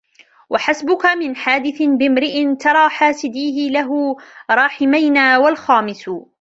وَحَسْبُك مِنْ حَادِثٍ بِامْرِئٍ تَرَى حَاسِدِيهِ لَهُ رَاحِمَيْنَا وَالْخَامِسُ